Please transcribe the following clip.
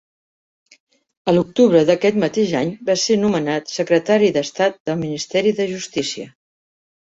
A l'octubre d'aquest mateix any va ser nomenat Secretari d'Estat del Ministeri de Justícia.